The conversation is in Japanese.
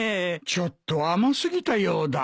ちょっと甘過ぎたようだ。